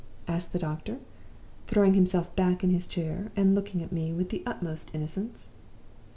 asked the doctor, throwing himself back in his chair, and looking at me with the utmost innocence.